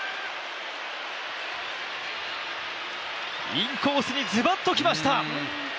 インコースにズバッときました